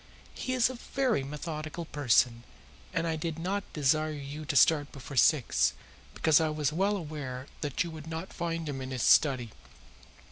He is a very methodical person, and I did not desire you to start before six, because I was well aware that you would not find him in his study.